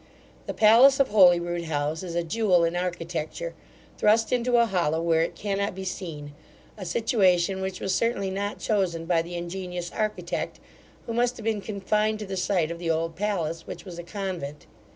The palace of Holyrood house is a jewel in architecture, thrust into a hollow where it cannot be seen; a situation which was certainly not chosen by the ingenious architect, who must have been confined to the site of the old palace, which was a convent.